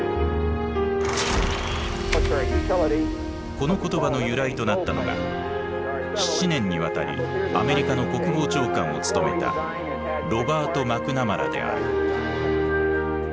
この言葉の由来となったのが７年にわたりアメリカの国防長官を務めたロバート・マクナマラである。